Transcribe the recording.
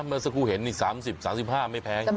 เมื่อสักครู่เห็นนี่๓๐๓๕ไม่แพง